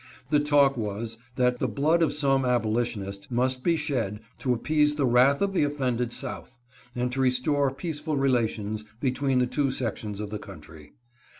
The talk was that the blood of some abolitionist must; be shed to appease the wrath of the offended S'outh, and to restore peaceful relations between the two sections of the country.